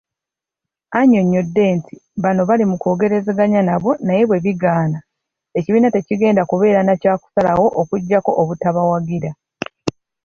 Anyonyodde nti bano bali mukwogerezeganya nabo naye bwebigaana, ekibiina tekigenda kubeera nakyakusalawo okuggyako obutabawagira.